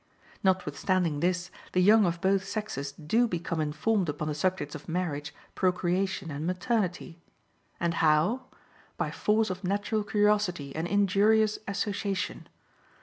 Notwithstanding this, the young of both sexes do become informed upon the subjects of marriage, procreation, and maternity. And how? By force of natural curiosity and injurious association.